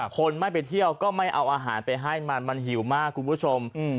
คนไม่ไปเที่ยวก็ไม่เอาอาหารไปให้มันมันหิวมากคุณผู้ชม